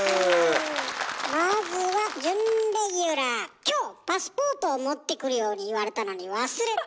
まずは今日パスポートを持ってくるように言われたのに忘れた